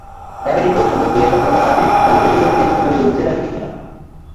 Diabetic রোগ সম্পর্কে সচেতনতা বাড়াতে আগামী বৃহস্পতিবার থেকে চট্টগ্রামে শুরু হচ্ছে ডায়াবেটিক মেলা।